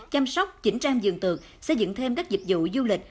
chăm sóc chỉnh trang dường tượng xây dựng thêm các dịch vụ du lịch